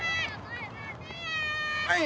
はい！